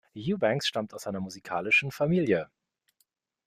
Eubanks stammt aus einer musikalischen Familie.